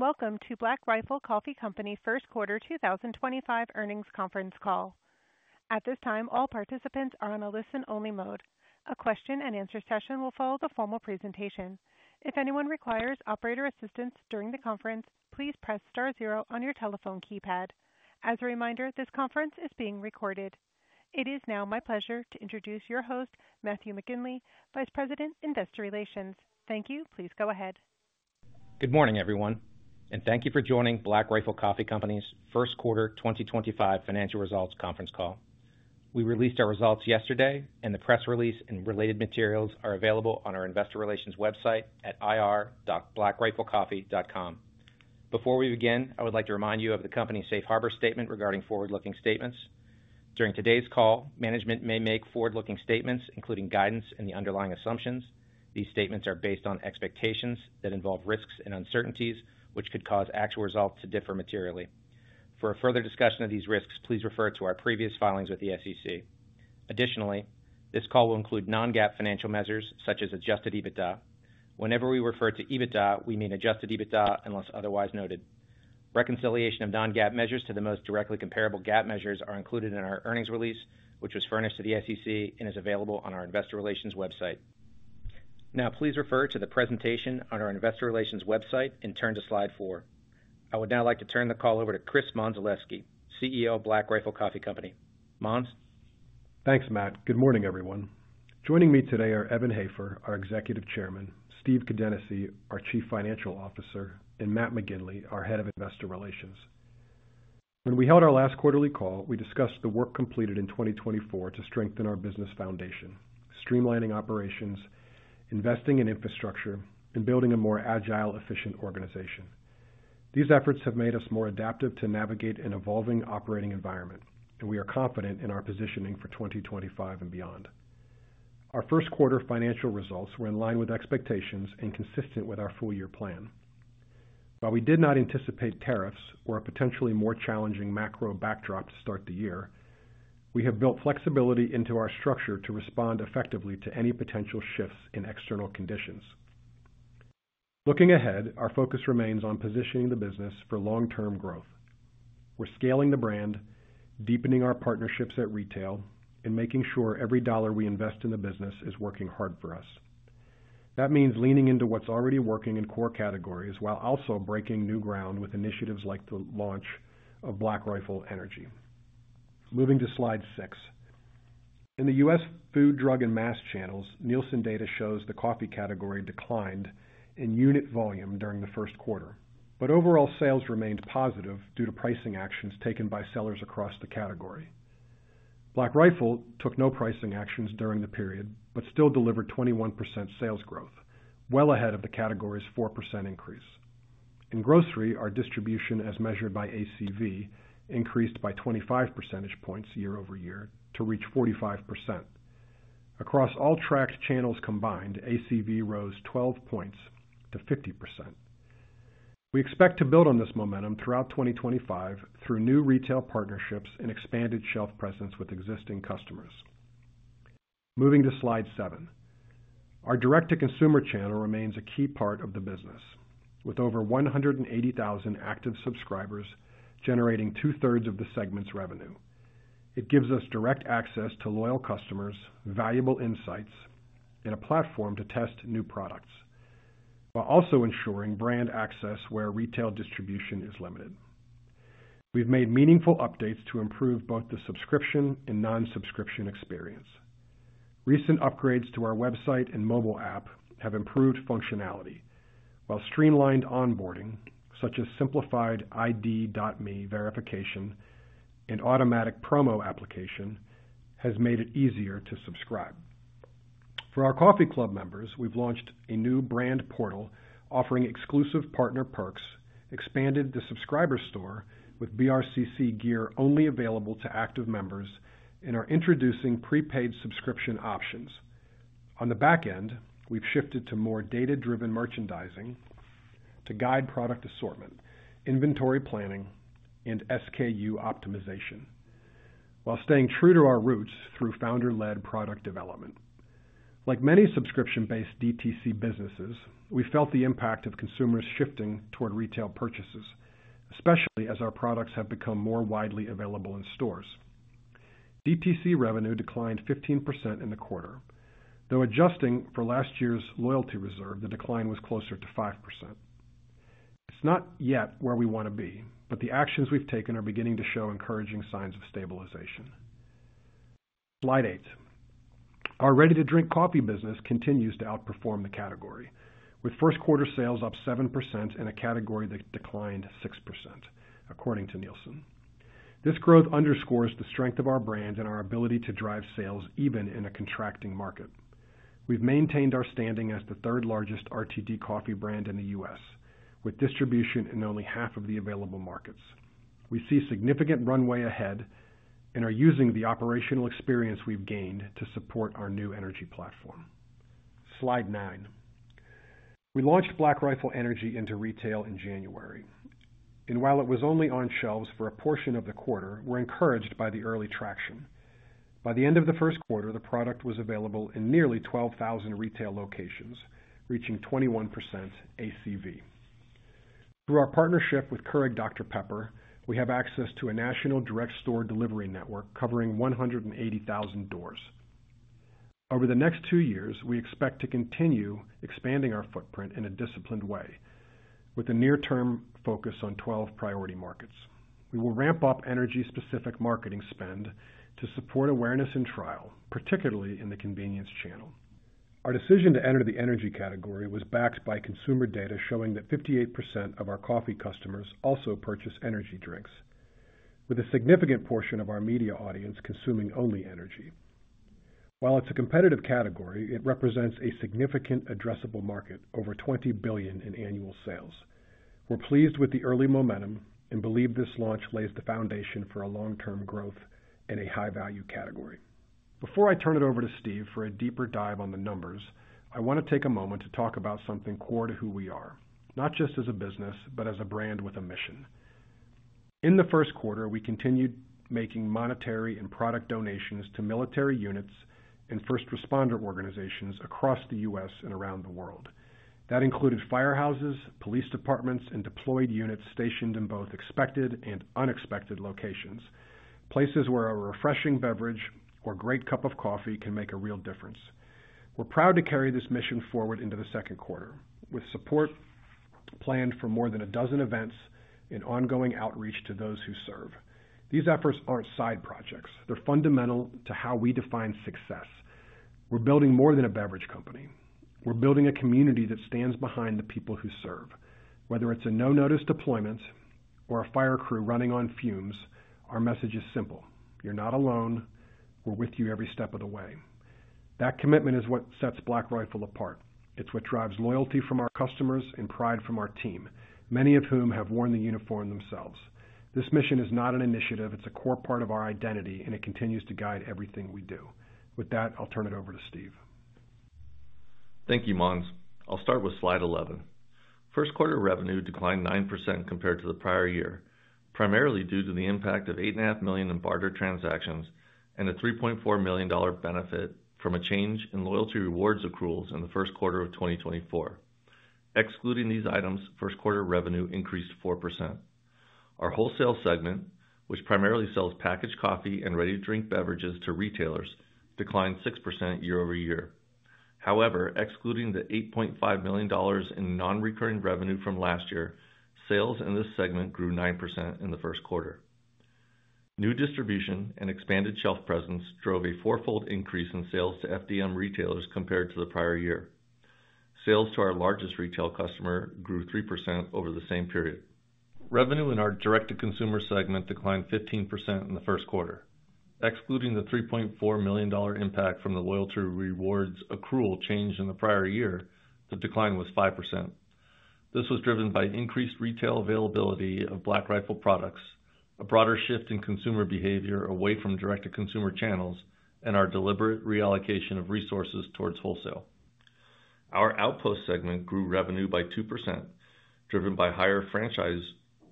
Welcome to Black Rifle Coffee Company First Quarter 2025 earnings conference call. At this time, all participants are on a listen-only mode. A question-and-answer session will follow the formal presentation. If anyone requires operator assistance during the conference, please press star zero on your telephone keypad. As a reminder, this conference is being recorded. It is now my pleasure to introduce your host, Matthew McGinley, Vice President, Investor Relations. Thank you. Please go ahead. Good morning, everyone, and thank you for joining Black Rifle Coffee Company's First Quarter 2025 Financial Results Conference Call. We released our results yesterday, and the press release and related materials are available on our Investor Relations website at irb.blackriflecoffee.com. Before we begin, I would like to remind you of the company's safe harbor statement regarding forward-looking statements. During today's call, management may make forward-looking statements, including guidance and the underlying assumptions. These statements are based on expectations that involve risks and uncertainties, which could cause actual results to differ materially. For further discussion of these risks, please refer to our previous filings with the SEC. Additionally, this call will include non-GAAP financial measures such as adjusted EBITDA. Whenever we refer to EBITDA, we mean adjusted EBITDA unless otherwise noted. Reconciliation of non-GAAP measures to the most directly comparable GAAP measures are included in our earnings release, which was furnished to the SEC and is available on our Investor Relations website. Now, please refer to the presentation on our Investor Relations website and turn to slide four. I would now like to turn the call over to Chris Mondzelewski, CEO of Black Rifle Coffee Company. Mons? Thanks, Matt. Good morning, everyone. Joining me today are Evan Hafer, our Executive Chairman, Steve Kadenacy, our Chief Financial Officer, and Matt McGinley, our Head of Investor Relations. When we held our last quarterly call, we discussed the work completed in 2024 to strengthen our business foundation, streamlining operations, investing in infrastructure, and building a more agile, efficient organization. These efforts have made us more adaptive to navigate an evolving operating environment, and we are confident in our positioning for 2025 and beyond. Our first quarter financial results were in line with expectations and consistent with our full-year plan. While we did not anticipate tariffs or a potentially more challenging macro backdrop to start the year, we have built flexibility into our structure to respond effectively to any potential shifts in external conditions. Looking ahead, our focus remains on positioning the business for long-term growth. We're scaling the brand, deepening our partnerships at retail, and making sure every dollar we invest in the business is working hard for us. That means leaning into what's already working in core categories while also breaking new ground with initiatives like the launch of Black Rifle Energy. Moving to slide six. In the US food, drug, and mass channels, Nielsen data shows the coffee category declined in unit volume during the first quarter, but overall sales remained positive due to pricing actions taken by sellers across the category. Black Rifle took no pricing actions during the period but still delivered 21% sales growth, well ahead of the category's 4% increase. In grocery, our distribution, as measured by ACV, increased by 25 percentage points year over year to reach 45%. Across all tracked channels combined, ACV rose 12 points to 50%. We expect to build on this momentum throughout 2025 through new retail partnerships and expanded shelf presence with existing customers. Moving to slide seven. Our direct-to-consumer channel remains a key part of the business, with over 180,000 active subscribers generating two-thirds of the segment's revenue. It gives us direct access to loyal customers, valuable insights, and a platform to test new products while also ensuring brand access where retail distribution is limited. We've made meaningful updates to improve both the subscription and non-subscription experience. Recent upgrades to our website and mobile app have improved functionality, while streamlined onboarding, such as simplified ID.me verification and automatic promo application, has made it easier to subscribe. For our coffee club members, we've launched a new brand portal offering exclusive partner perks, expanded the subscriber store with BRCC gear only available to active members, and are introducing prepaid subscription options. On the back end, we've shifted to more data-driven merchandising to guide product assortment, inventory planning, and SKU optimization, while staying true to our roots through founder-led product development. Like many subscription-based DTC businesses, we felt the impact of consumers shifting toward retail purchases, especially as our products have become more widely available in stores. DTC revenue declined 15% in the quarter, though adjusting for last year's loyalty reserve, the decline was closer to 5%. It's not yet where we want to be, but the actions we've taken are beginning to show encouraging signs of stabilization. Slide eight. Our ready-to-drink coffee business continues to outperform the category, with first quarter sales up 7% and a category that declined 6%, according to Nielsen. This growth underscores the strength of our brand and our ability to drive sales even in a contracting market. We've maintained our standing as the third-largest RTD coffee brand in the U.S., with distribution in only half of the available markets. We see significant runway ahead and are using the operational experience we've gained to support our new energy platform. Slide nine. We launched Black Rifle Energy into retail in January, and while it was only on shelves for a portion of the quarter, we're encouraged by the early traction. By the end of the first quarter, the product was available in nearly 12,000 retail locations, reaching 21% ACV. Through our partnership with Keurig Dr Pepper, we have access to a national direct store delivery network covering 180,000 doors. Over the next two years, we expect to continue expanding our footprint in a disciplined way, with a near-term focus on 12 priority markets. We will ramp up energy-specific marketing spend to support awareness and trial, particularly in the convenience channel. Our decision to enter the energy category was backed by consumer data showing that 58% of our coffee customers also purchase energy drinks, with a significant portion of our media audience consuming only energy. While it's a competitive category, it represents a significant addressable market, over $20 billion in annual sales. We're pleased with the early momentum and believe this launch lays the foundation for long-term growth in a high-value category. Before I turn it over to Steve for a deeper dive on the numbers, I want to take a moment to talk about something core to who we are, not just as a business, but as a brand with a mission. In the first quarter, we continued making monetary and product donations to military units and first responder organizations across the U.S. and around the world. That included firehouses, police departments, and deployed units stationed in both expected and unexpected locations, places where a refreshing beverage or great cup of coffee can make a real difference. We're proud to carry this mission forward into the second quarter, with support planned for more than a dozen events and ongoing outreach to those who serve. These efforts aren't side projects. They're fundamental to how we define success. We're building more than a beverage company. We're building a community that stands behind the people who serve. Whether it's a no-notice deployment or a fire crew running on fumes, our message is simple "You're not alone. We're with you every step of the way". That commitment is what sets Black Rifle apart. It's what drives loyalty from our customers and pride from our team, many of whom have worn the uniform themselves. This mission is not an initiative. It's a core part of our identity, and it continues to guide everything we do. With that, I'll turn it over to Steve. Thank you, Mons. I'll start with slide 11. First quarter revenue declined 9% compared to the prior year, primarily due to the impact of $8.5 million in barter transactions and a $3.4 million benefit from a change in loyalty rewards accruals in the first quarter of 2024. Excluding these items, first quarter revenue increased 4%. Our wholesale segment, which primarily sells packaged coffee and ready-to-drink beverages to retailers, declined 6% year over year. However, excluding the $8.5 million in non-recurring revenue from last year, sales in this segment grew 9% in the first quarter. New distribution and expanded shelf presence drove a four-fold increase in sales to FDM retailers compared to the prior year. Sales to our largest retail customer grew 3% over the same period. Revenue in our direct-to-consumer segment declined 15% in the first quarter. Excluding the $3.4 million impact from the loyalty rewards accrual change in the prior year, the decline was 5%. This was driven by increased retail availability of Black Rifle products, a broader shift in consumer behavior away from direct-to-consumer channels, and our deliberate reallocation of resources towards wholesale. Our outpost segment grew revenue by 2%, driven by higher franchise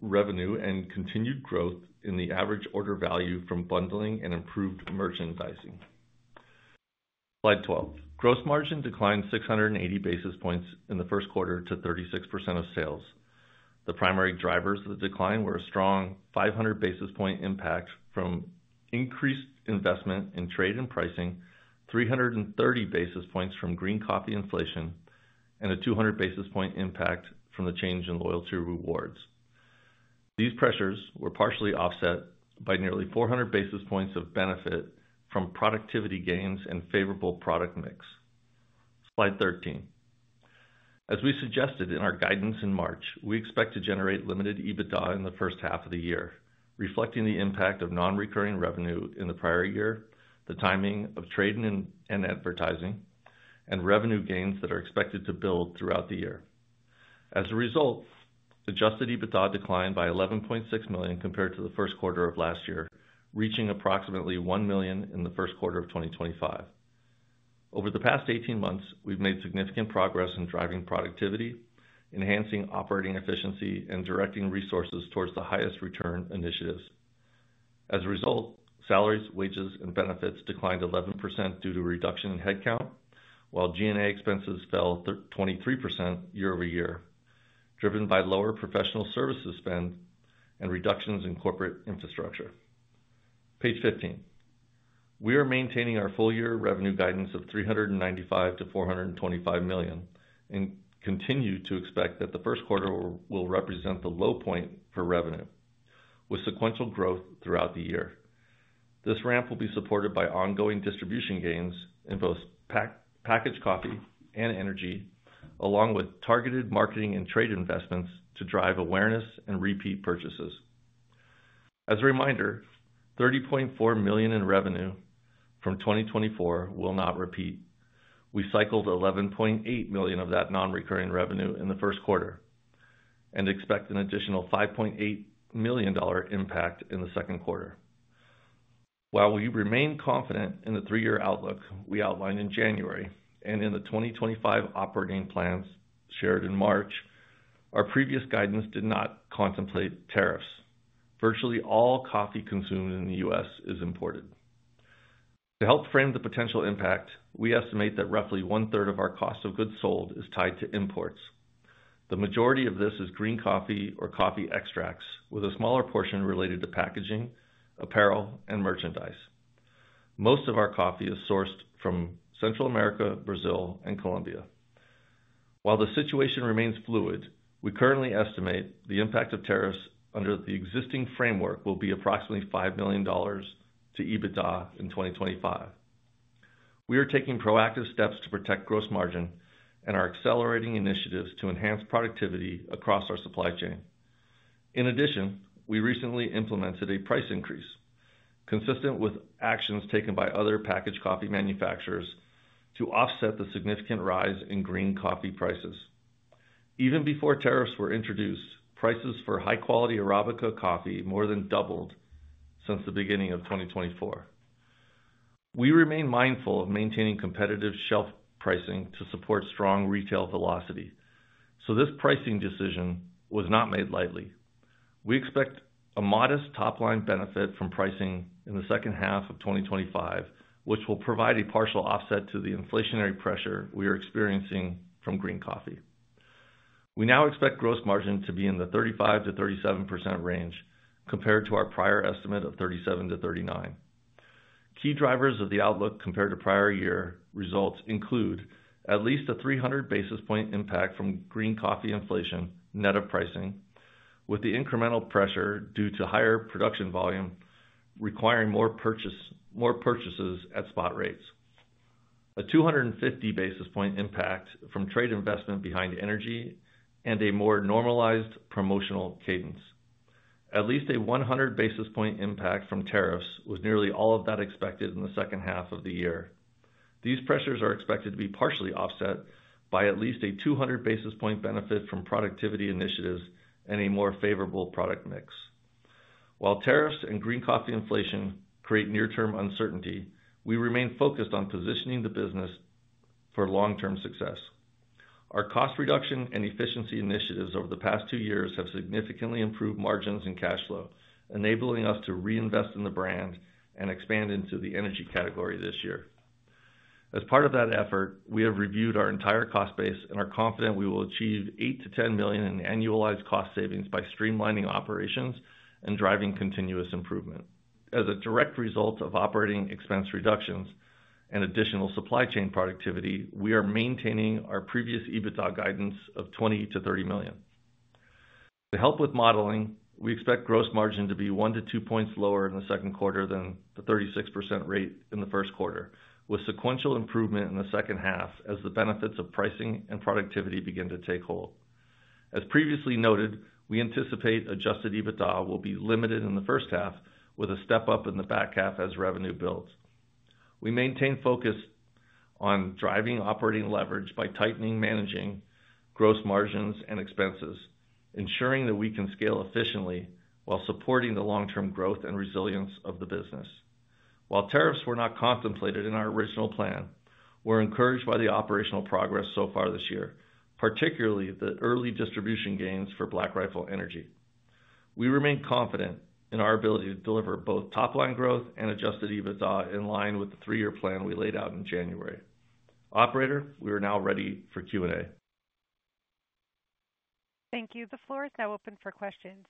revenue and continued growth in the average order value from bundling and improved merchandising. Slide 12. Gross margin declined 680 basis points in the first quarter to 36% of sales. The primary drivers of the decline were a strong 500 basis point impact from increased investment in trade and pricing, 330 basis points from green coffee inflation, and a 200 basis point impact from the change in loyalty rewards. These pressures were partially offset by nearly 400 basis points of benefit from productivity gains and favorable product mix. Slide 13. As we suggested in our guidance in March, we expect to generate limited EBITDA in the first half of the year, reflecting the impact of non-recurring revenue in the prior year, the timing of trade and advertising, and revenue gains that are expected to build throughout the year. As a result, adjusted EBITDA declined by $11.6 million compared to the first quarter of last year, reaching approximately $1 million in the first quarter of 2025. Over the past 18 months, we've made significant progress in driving productivity, enhancing operating efficiency, and directing resources towards the highest return initiatives. As a result, salaries, wages, and benefits declined 11% due to a reduction in headcount, while G&A expenses fell 23% year over year, driven by lower professional services spend and reductions in corporate infrastructure. Page 15. We are maintaining our full-year revenue guidance of $395 million-$425 million and continue to expect that the first quarter will represent the low point for revenue, with sequential growth throughout the year. This ramp will be supported by ongoing distribution gains in both packaged coffee and energy, along with targeted marketing and trade investments to drive awareness and repeat purchases. As a reminder, $30.4 million in revenue from 2024 will not repeat. We cycled $11.8 million of that non-recurring revenue in the first quarter and expect an additional $5.8 million impact in the second quarter. While we remain confident in the three-year outlook we outlined in January and in the 2025 operating plans shared in March, our previous guidance did not contemplate tariffs. Virtually all coffee consumed in the U.S. is imported. To help frame the potential impact, we estimate that roughly one-third of our cost of goods sold is tied to imports. The majority of this is green coffee or coffee extracts, with a smaller portion related to packaging, apparel, and merchandise. Most of our coffee is sourced from Central America, Brazil, and Colombia. While the situation remains fluid, we currently estimate the impact of tariffs under the existing framework will be approximately $5 million to EBITDA in 2025. We are taking proactive steps to protect gross margin and are accelerating initiatives to enhance productivity across our supply chain. In addition, we recently implemented a price increase consistent with actions taken by other packaged coffee manufacturers to offset the significant rise in green coffee prices. Even before tariffs were introduced, prices for high-quality Arabica coffee more than doubled since the beginning of 2024. We remain mindful of maintaining competitive shelf pricing to support strong retail velocity, so this pricing decision was not made lightly. We expect a modest top-line benefit from pricing in the second half of 2025, which will provide a partial offset to the inflationary pressure we are experiencing from green coffee. We now expect gross margin to be in the 35%-37% range compared to our prior estimate of 37%-39%. Key drivers of the outlook compared to prior year results include at least a 300 basis point impact from green coffee inflation net of pricing, with the incremental pressure due to higher production volume requiring more purchases at spot rates, a 250 basis point impact from trade investment behind energy, and a more normalized promotional cadence. At least a 100 basis point impact from tariffs was nearly all of that expected in the second half of the year. These pressures are expected to be partially offset by at least a 200 basis point benefit from productivity initiatives and a more favorable product mix. While tariffs and green coffee inflation create near-term uncertainty, we remain focused on positioning the business for long-term success. Our cost reduction and efficiency initiatives over the past two years have significantly improved margins and cash flow, enabling us to reinvest in the brand and expand into the energy category this year. As part of that effort, we have reviewed our entire cost base and are confident we will achieve $8 million-$10 million in annualized cost savings by streamlining operations and driving continuous improvement. As a direct result of operating expense reductions and additional supply chain productivity, we are maintaining our previous EBITDA guidance of $20 million-$30 million. To help with modeling, we expect gross margin to be one to two points lower in the second quarter than the 36% rate in the first quarter, with sequential improvement in the second half as the benefits of pricing and productivity begin to take hold. As previously noted, we anticipate Adjusted EBITDA will be limited in the first half, with a step up in the back half as revenue builds. We maintain focus on driving operating leverage by tightly managing gross margins and expenses, ensuring that we can scale efficiently while supporting the long-term growth and resilience of the business. While tariffs were not contemplated in our original plan, we're encouraged by the operational progress so far this year, particularly the early distribution gains for Black Rifle Energy. We remain confident in our ability to deliver both top-line growth and Adjusted EBITDA in line with the three-year plan we laid out in January. Operator, we are now ready for Q&A. Thank you. The floor is now open for questions.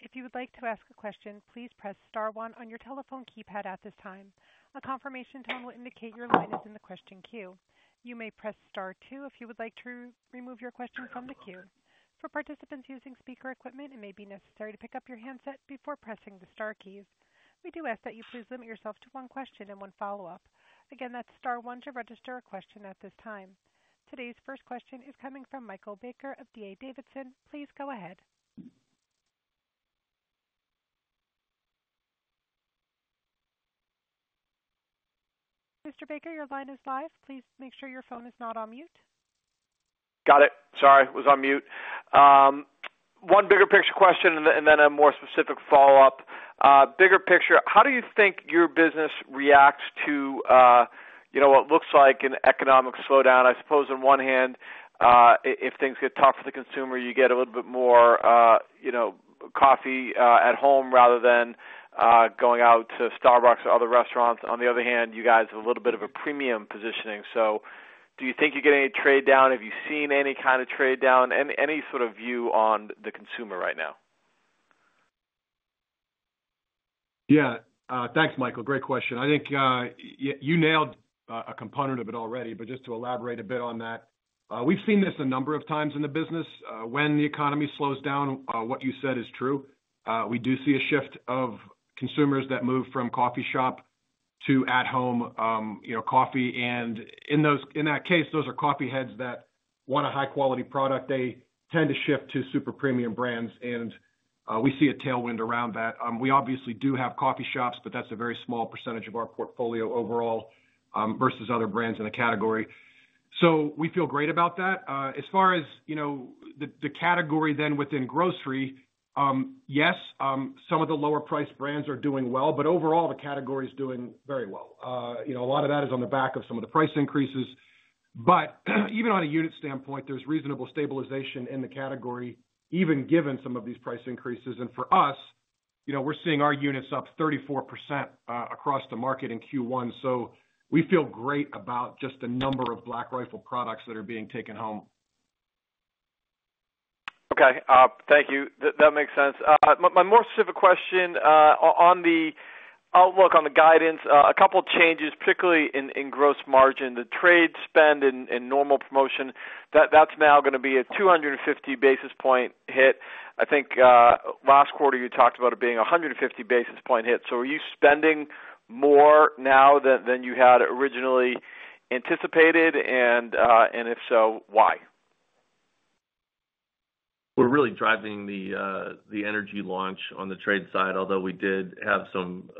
If you would like to ask a question, please press star one on your telephone keypad at this time. A confirmation tone will indicate your line is in the question queue. You may press star two if you would like to remove your question from the queue. For participants using speaker equipment, it may be necessary to pick up your handset before pressing the star keys. We do ask that you please limit yourself to one question and one follow-up. Again, that's star one to register a question at this time. Today's first question is coming from Michael Baker of D.A. Davidson. Please go ahead. Mr. Baker, your line is live. Please make sure your phone is not on mute. Got it. Sorry, was on mute. One bigger picture question and then a more specific follow-up. Bigger picture, how do you think your business reacts to what looks like an economic slowdown? I suppose on one hand, if things get tough for the consumer, you get a little bit more coffee at home rather than going out to Starbucks or other restaurants. On the other hand, you guys have a little bit of a premium positioning. Do you think you get any trade-down? Have you seen any kind of trade-down? Any sort of view on the consumer right now? Yeah. Thanks, Michael. Great question. I think you nailed a component of it already, but just to elaborate a bit on that, we've seen this a number of times in the business. When the economy slows down, what you said is true. We do see a shift of consumers that move from coffee shop to at-home coffee. In that case, those are coffee heads that want a high-quality product. They tend to shift to super premium brands, and we see a tailwind around that. We obviously do have coffee shops, but that's a very small percentage of our portfolio overall versus other brands in the category. We feel great about that. As far as the category then within grocery, yes, some of the lower-priced brands are doing well, but overall, the category is doing very well. A lot of that is on the back of some of the price increases. Even on a unit standpoint, there's reasonable stabilization in the category, even given some of these price increases. For us, we're seeing our units up 34% across the market in Q1. We feel great about just the number of Black Rifle products that are being taken home. Okay. Thank you. That makes sense. My more specific question on the outlook on the guidance, a couple of changes, particularly in gross margin, the trade spend and normal promotion, that's now going to be a 250 basis point hit. I think last quarter you talked about it being a 150 basis point hit. Are you spending more now than you had originally anticipated? If so, why? We're really driving the energy launch on the trade side, although we did have some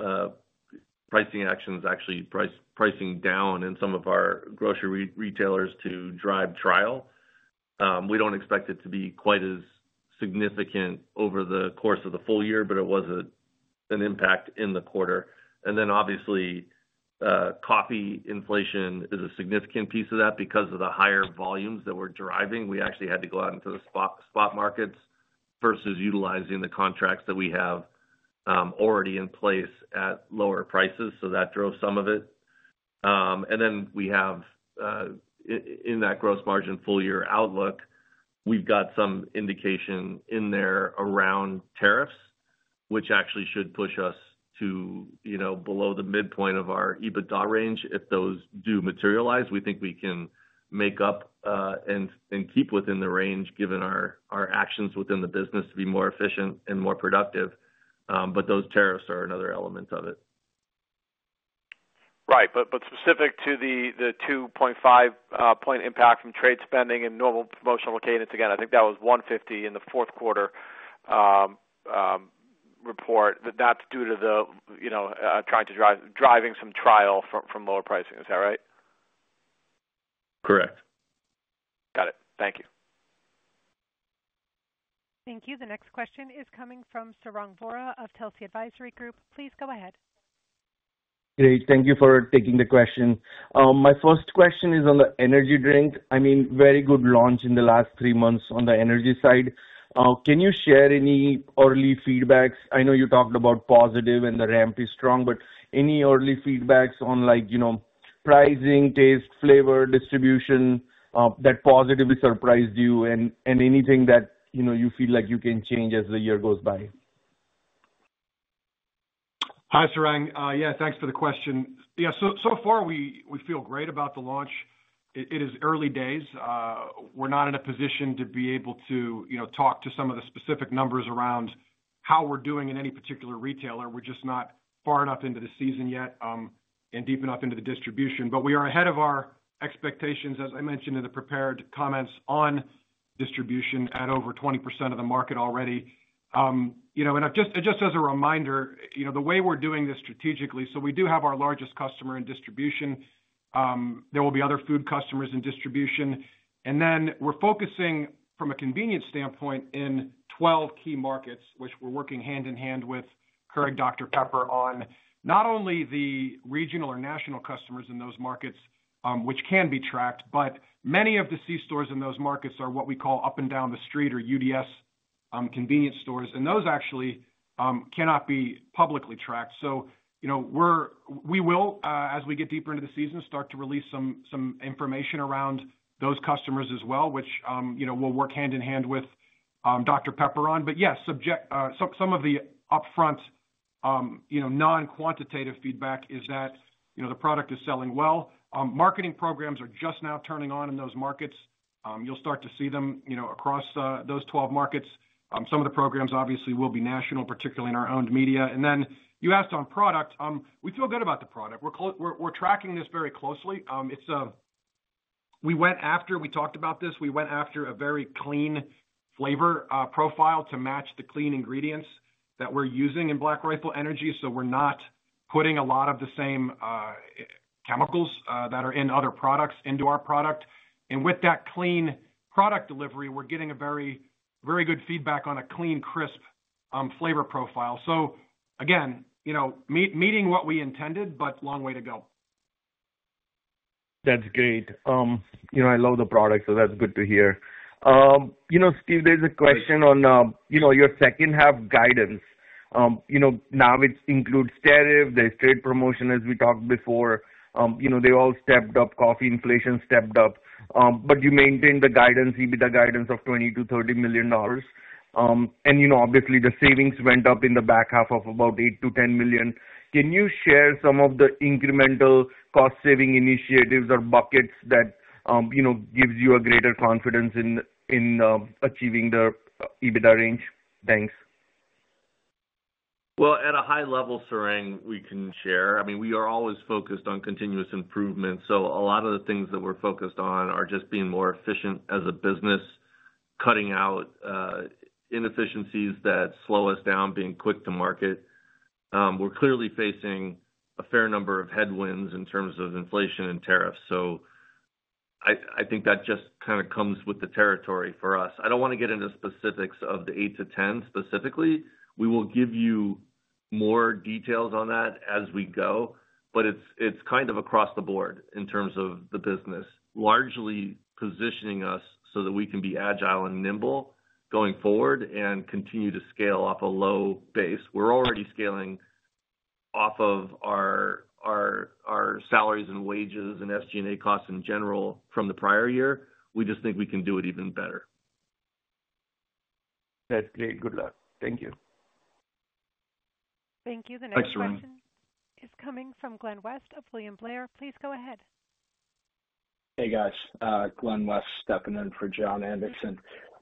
pricing actions, actually pricing down in some of our grocery retailers to drive trial. We don't expect it to be quite as significant over the course of the full year, but it was an impact in the quarter. Obviously, coffee inflation is a significant piece of that because of the higher volumes that we're driving. We actually had to go out into the spot markets versus utilizing the contracts that we have already in place at lower prices. That drove some of it. We have in that gross margin full-year outlook, we've got some indication in there around tariffs, which actually should push us to below the midpoint of our EBITDA range. If those do materialize, we think we can make up and keep within the range given our actions within the business to be more efficient and more productive. Those tariffs are another element of it. Right. But specific to the 2.5-point impact from trade spending and normal promotional cadence, again, I think that was $150 in the fourth quarter report. That's due to the trying to drive driving some trial from lower pricing. Is that right? Correct. Got it. Thank you. Thank you. The next question is coming from Sarang Vora of Telsey Advisory Group. Please go ahead. Hey, thank you for taking the question. My first question is on the energy drink. I mean, very good launch in the last three months on the energy side. Can you share any early feedback? I know you talked about positive and the ramp is strong, but any early feedback on pricing, taste, flavor, distribution that positively surprised you and anything that you feel like you can change as the year goes by? Hi, Sarang. Yeah, thanks for the question. Yeah, so far, we feel great about the launch. It is early days. We're not in a position to be able to talk to some of the specific numbers around how we're doing in any particular retailer. We're just not far enough into the season yet and deep enough into the distribution. We are ahead of our expectations, as I mentioned in the prepared comments on distribution at over 20% of the market already. Just as a reminder, the way we're doing this strategically, we do have our largest customer in distribution. There will be other food customers in distribution. We are focusing from a convenience standpoint in 12 key markets, which we're working hand in hand with current Dr. Pepper on not only the regional or national customers in those markets, which can be tracked, but many of the C stores in those markets are what we call Up and Down the Street or UDS convenience stores. Those actually cannot be publicly tracked. We will, as we get deeper into the season, start to release some information around those customers as well, which we will work hand in hand with Dr. Pepper on. Yes, some of the upfront non-quantitative feedback is that the product is selling well. Marketing programs are just now turning on in those markets. You will start to see them across those 12 markets. Some of the programs, obviously, will be national, particularly in our owned media. You asked on product. We feel good about the product. We are tracking this very closely. We went after we talked about this. We went after a very clean flavor profile to match the clean ingredients that we're using in Black Rifle Energy. We are not putting a lot of the same chemicals that are in other products into our product. With that clean product delivery, we're getting very good feedback on a clean, crisp flavor profile. Again, meeting what we intended, but a long way to go. That's great. I love the product, so that's good to hear. Steve, there's a question on your second-half guidance. Now it includes tariff, the trade promotion, as we talked before. They all stepped up. Coffee inflation stepped up. You maintained the guidance, EBITDA guidance of $20 million-$30 million. Obviously, the savings went up in the back half of about $8 million-$10 million. Can you share some of the incremental cost-saving initiatives or buckets that give you a greater confidence in achieving the EBITDA range? Thanks. At a high level, Sarang, we can share. I mean, we are always focused on continuous improvement. A lot of the things that we're focused on are just being more efficient as a business, cutting out inefficiencies that slow us down, being quick to market. We're clearly facing a fair number of headwinds in terms of inflation and tariffs. I think that just kind of comes with the territory for us. I don't want to get into specifics of the eight-10 specifically. We will give you more details on that as we go, but it's kind of across the board in terms of the business. Largely positioning us so that we can be agile and nimble going forward and continue to scale off a low base. We're already scaling off of our salaries and wages and SG&A costs in general from the prior year. We just think we can do it even better. That's great. Good luck. Thank you. Thank you. The next question is coming from Glenn West of William Blair. Please go ahead. Hey, guys. Glen West stepping in for John Anderson.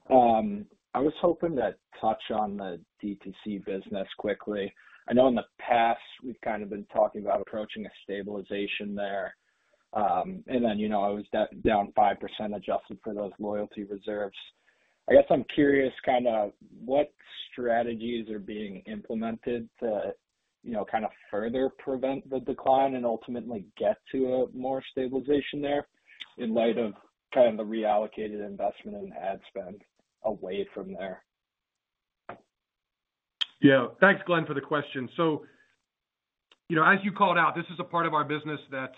I was hoping to touch on the DTC business quickly. I know in the past, we've kind of been talking about approaching a stabilization there. It was down 5% adjusted for those loyalty reserves. I guess I'm curious kind of what strategies are being implemented to kind of further prevent the decline and ultimately get to a more stabilization there in light of kind of the reallocated investment and ad spend away from there. Yeah. Thanks, Glen, for the question. As you called out, this is a part of our business that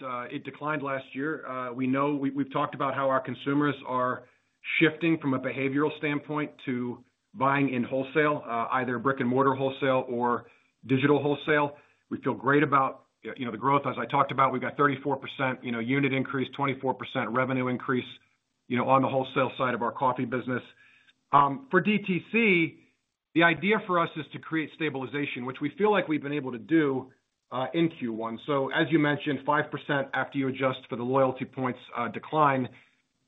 declined last year. We've talked about how our consumers are shifting from a behavioral standpoint to buying in wholesale, either brick-and-mortar wholesale or digital wholesale. We feel great about the growth. As I talked about, we've got 34% unit increase, 24% revenue increase on the wholesale side of our coffee business. For DTC, the idea for us is to create stabilization, which we feel like we've been able to do in Q1. As you mentioned, 5% after you adjust for the loyalty points decline.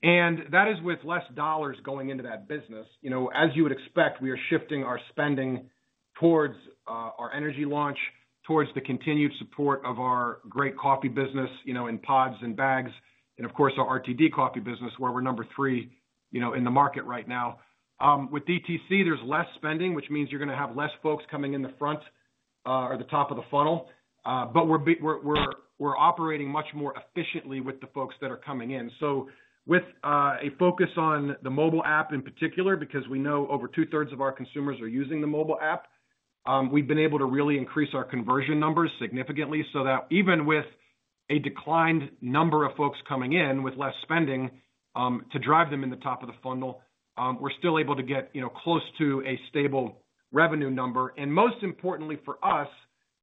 That is with less dollars going into that business. As you would expect, we are shifting our spending towards our energy launch, towards the continued support of our great coffee business in pods and bags, and of course, our RTD coffee business, where we're number three in the market right now. With DTC, there's less spending, which means you're going to have less folks coming in the front or the top of the funnel. We're operating much more efficiently with the folks that are coming in. With a focus on the mobile app in particular, because we know over two-thirds of our consumers are using the mobile app, we've been able to really increase our conversion numbers significantly so that even with a declined number of folks coming in with less spending to drive them in the top of the funnel, we're still able to get close to a stable revenue number. Most importantly for us,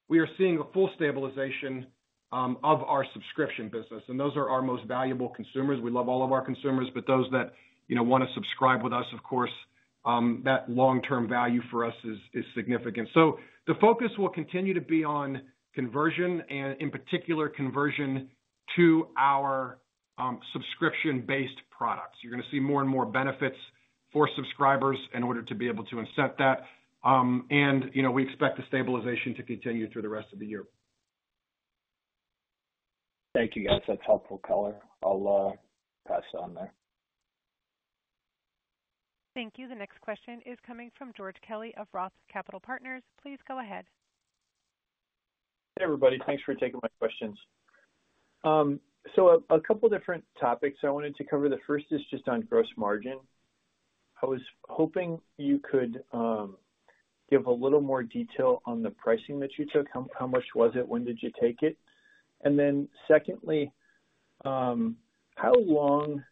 we are seeing a full stabilization of our subscription business. And those are our most valuable consumers. We love all of our consumers, but those that want to subscribe with us, of course, that long-term value for us is significant. The focus will continue to be on conversion and, in particular, conversion to our subscription-based products. You're going to see more and more benefits for subscribers in order to be able to incent that. We expect the stabilization to continue through the rest of the year. Thank you, guys. That's helpful color. I'll pass on there. Thank you. The next question is coming from George Kelly of Roth Capital Partners. Please go ahead. Hey, everybody. Thanks for taking my questions. A couple of different topics I wanted to cover. The first is just on gross margin. I was hoping you could give a little more detail on the pricing that you took. How much was it? When did you take it? Secondly, how long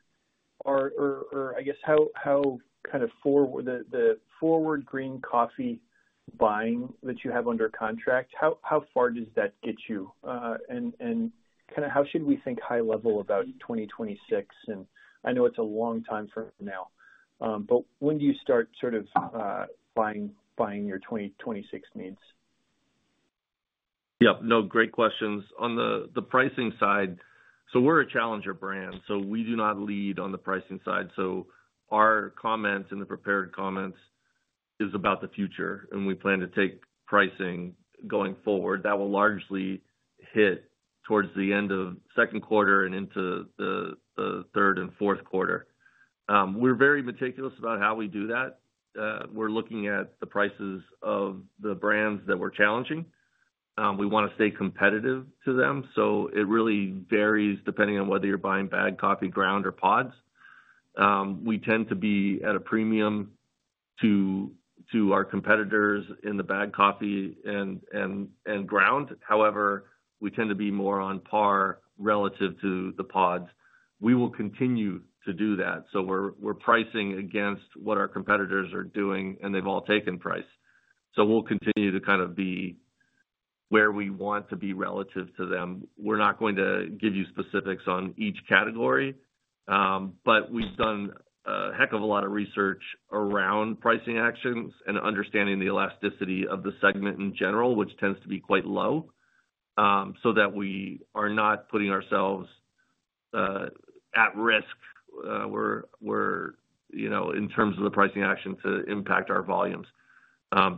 or I guess how kind of forward green coffee buying that you have under contract, how far does that get you? How should we think high level about 2026? I know it's a long time from now, but when do you start sort of buying your 2026 needs? Yep. No, great questions. On the pricing side, we are a challenger brand. We do not lead on the pricing side. Our comments and the prepared comments are about the future. We plan to take pricing going forward that will largely hit towards the end of the second quarter and into the third and fourth quarter. We are very meticulous about how we do that. We are looking at the prices of the brands that we are challenging. We want to stay competitive to them. It really varies depending on whether you are buying bagged coffee, ground, or pods. We tend to be at a premium to our competitors in the bagged coffee and ground. However, we tend to be more on par relative to the pods. We will continue to do that. We are pricing against what our competitors are doing, and they have all taken price. We'll continue to kind of be where we want to be relative to them. We're not going to give you specifics on each category, but we've done a heck of a lot of research around pricing actions and understanding the elasticity of the segment in general, which tends to be quite low, so that we are not putting ourselves at risk in terms of the pricing action to impact our volumes.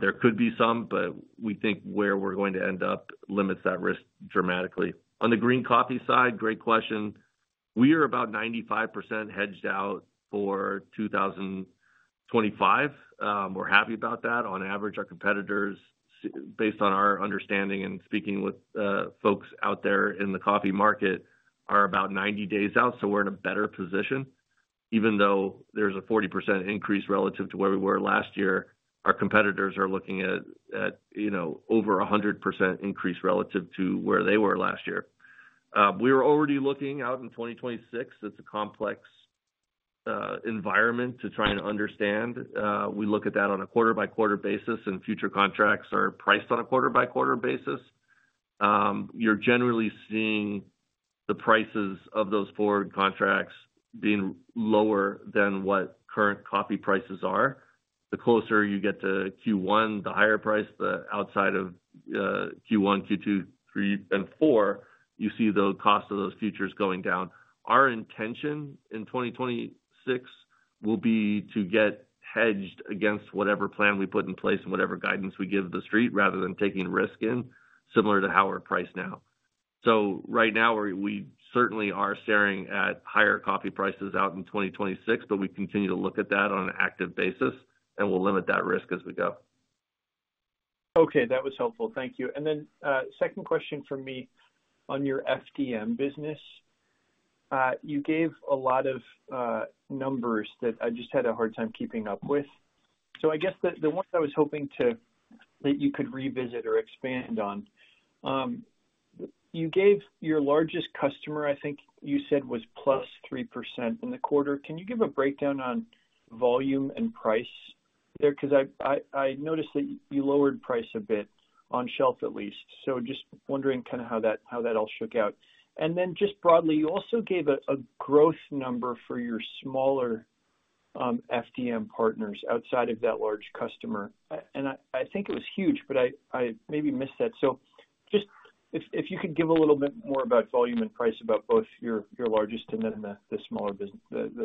There could be some, but we think where we're going to end up limits that risk dramatically. On the green coffee side, great question. We are about 95% hedged out for 2025. We're happy about that. On average, our competitors, based on our understanding and speaking with folks out there in the coffee market, are about 90 days out. We're in a better position. Even though there's a 40% increase relative to where we were last year, our competitors are looking at over 100% increase relative to where they were last year. We were already looking out in 2026. It's a complex environment to try and understand. We look at that on a quarter-by-quarter basis, and future contracts are priced on a quarter-by-quarter basis. You're generally seeing the prices of those forward contracts being lower than what current coffee prices are. The closer you get to Q1, the higher price. The outside of Q1, Q2, Q3, and Q4, you see the cost of those futures going down. Our intention in 2026 will be to get hedged against whatever plan we put in place and whatever guidance we give the street rather than taking risk in, similar to how we're priced now. Right now, we certainly are staring at higher coffee prices out in 2026, but we continue to look at that on an active basis, and we'll limit that risk as we go. Okay. That was helpful. Thank you. Then second question for me on your FDM business. You gave a lot of numbers that I just had a hard time keeping up with. I guess the ones I was hoping that you could revisit or expand on, you gave your largest customer, I think you said was +3% in the quarter. Can you give a breakdown on volume and price there? Because I noticed that you lowered price a bit on shelf at least. Just wondering kind of how that all shook out. Then just broadly, you also gave a growth number for your smaller FDM partners outside of that large customer. I think it was huge, but I maybe missed that. If you could give a little bit more about volume and price about both your largest and then the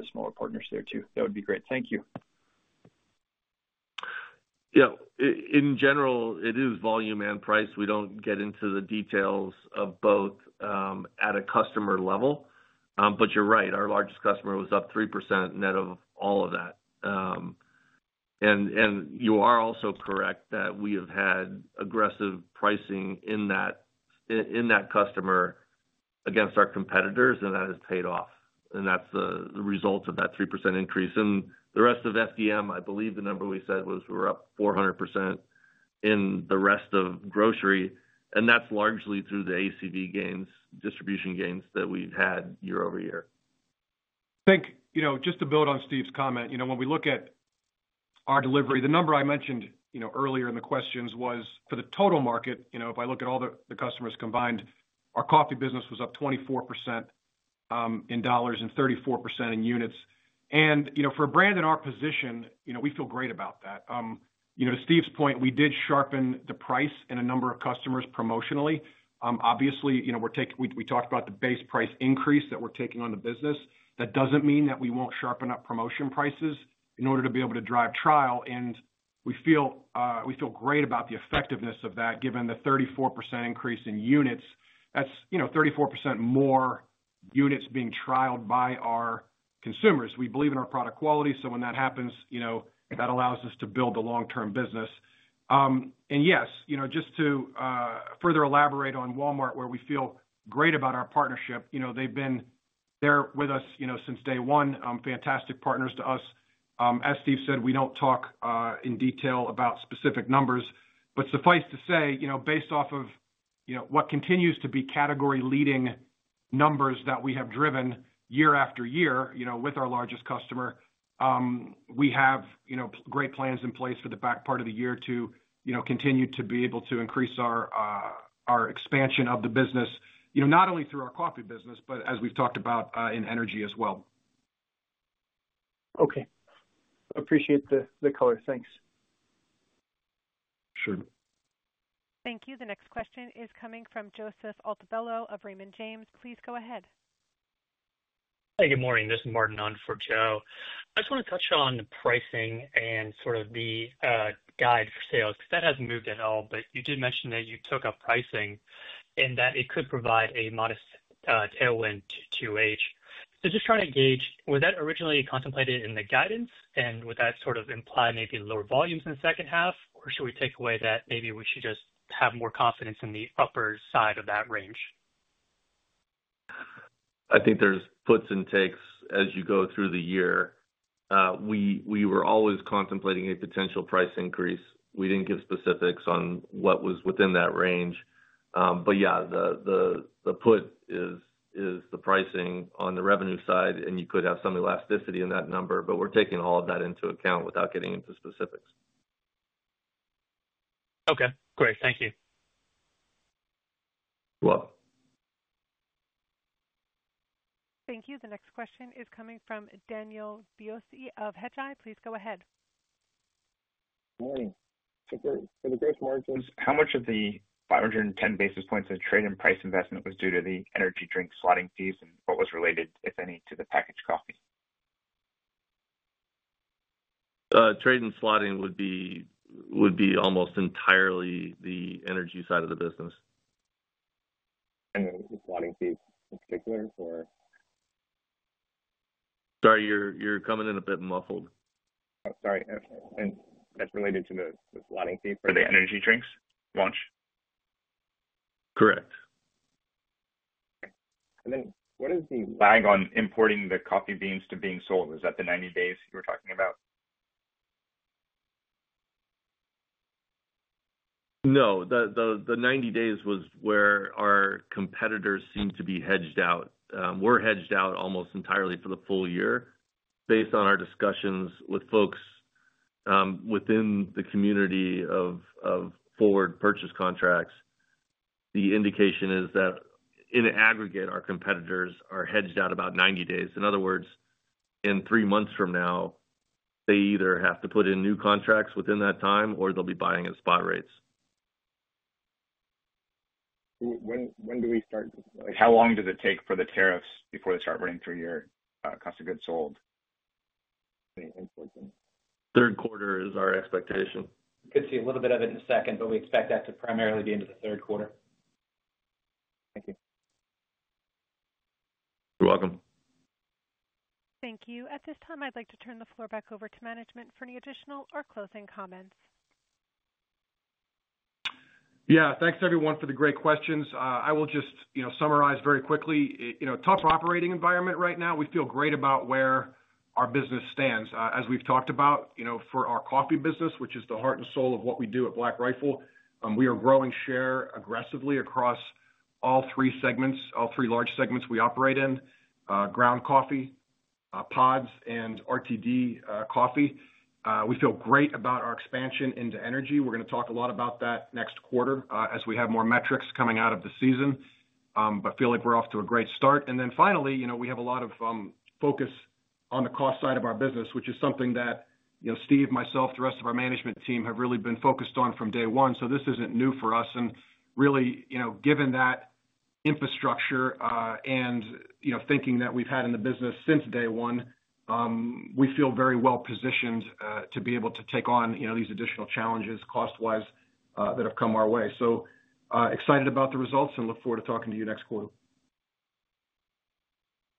smaller partners there too, that would be great. Thank you. Yeah. In general, it is volume and price. We don't get into the details of both at a customer level. You're right. Our largest customer was up 3% net of all of that. You are also correct that we have had aggressive pricing in that customer against our competitors, and that has paid off. That's the result of that 3% increase. The rest of FDM, I believe the number we said was we were up 400% in the rest of grocery. That's largely through the ACV gains, distribution gains that we've had year over year. I think just to build on Steve's comment, when we look at our delivery, the number I mentioned earlier in the questions was for the total market. If I look at all the customers combined, our coffee business was up 24% in dollars and 34% in units. For a brand in our position, we feel great about that. To Steve's point, we did sharpen the price and a number of customers promotionally. Obviously, we talked about the base price increase that we're taking on the business. That does not mean that we will not sharpen up promotion prices in order to be able to drive trial. We feel great about the effectiveness of that, given the 34% increase in units. That is 34% more units being trialed by our consumers. We believe in our product quality. When that happens, that allows us to build a long-term business. Yes, just to further elaborate on Walmart, where we feel great about our partnership, they've been there with us since day one, fantastic partners to us. As Steve said, we don't talk in detail about specific numbers. Suffice to say, based off of what continues to be category-leading numbers that we have driven year after year with our largest customer, we have great plans in place for the back part of the year to continue to be able to increase our expansion of the business, not only through our coffee business, but as we've talked about in energy as well. Okay. Appreciate the color. Thanks. Sure. Thank you. The next question is coming from Joseph Altobello of Raymond James. Please go ahead. Hey, good morning. This is Martin on for Joe. I just want to touch on the pricing and sort of the guide for sales. That has not moved at all, but you did mention that you took up pricing and that it could provide a modest tailwind to age. So just trying to engage, was that originally contemplated in the guidance? And would that sort of imply maybe lower volumes in the second half? Or should we take away that maybe we should just have more confidence in the upper side of that range? I think there's puts and takes as you go through the year. We were always contemplating a potential price increase. We didn't give specifics on what was within that range. Yeah, the put is the pricing on the revenue side, and you could have some elasticity in that number, but we're taking all of that into account without getting into specifics. Okay. Great. Thank you. You're welcome. Thank you. The next question is coming from Daniel Biolsi of Hedgeye. Please go ahead. Hey. For the gross margins. How much of the 510 basis points of trade and price investment was due to the energy drink slotting fees and what was related, if any, to the packaged coffee? Trade and slotting would be almost entirely the energy side of the business. The slotting fees in particular, or? Sorry, you're coming in a bit muffled. Oh, sorry. That's related to the slotting fee for the energy drinks launch? Correct. Okay. And then what is the lag on importing the coffee beans to being sold? Is that the 90 days you were talking about? No. The 90 days was where our competitors seemed to be hedged out. We're hedged out almost entirely for the full year. Based on our discussions with folks within the community of forward purchase contracts, the indication is that in aggregate, our competitors are hedged out about 90 days. In other words, in three months from now, they either have to put in new contracts within that time or they'll be buying at spot rates. When do we start? How long does it take for the tariffs before they start running through your cost of goods sold? Third quarter is our expectation. We could see a little bit of it in a second, but we expect that to primarily be into the third quarter. Thank you. You're welcome. Thank you. At this time, I'd like to turn the floor back over to management for any additional or closing comments. Yeah. Thanks, everyone, for the great questions. I will just summarize very quickly. Tough operating environment right now. We feel great about where our business stands. As we've talked about, for our coffee business, which is the heart and soul of what we do at Black Rifle, we are growing share aggressively across all three segments, all three large segments we operate in ground coffee, pods, and RTD coffee. We feel great about our expansion into energy. We're going to talk a lot about that next quarter as we have more metrics coming out of the season, but feel like we're off to a great start. Finally, we have a lot of focus on the cost side of our business, which is something that Steve, myself, the rest of our management team have really been focused on from day one. This isn't new for us. Really, given that infrastructure and thinking that we've had in the business since day one, we feel very well positioned to be able to take on these additional challenges cost-wise that have come our way. Excited about the results and look forward to talking to you next quarter.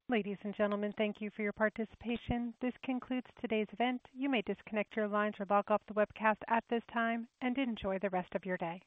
Ladies and gentlemen, thank you for your participation. This concludes today's event. You may disconnect your lines or log off the webcast at this time and enjoy the rest of your day.